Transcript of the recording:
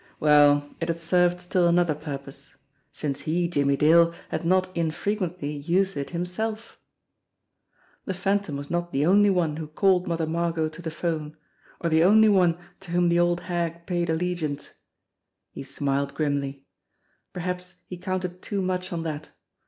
Well, it had served still another purpose since he, Jimmie Dale, had not infrequently used it himself J 220 JIMMIE DALE AND THE PHANTOM CLUE The Phantom was not the only one who called Mother Mar got to the phone, or the only one to whom the old hag paid allegiance! He smiled grimly. Perhaps he counted too much on that